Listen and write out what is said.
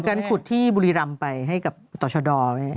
การขุดที่บุรีรำไปให้กับต่อชะดอ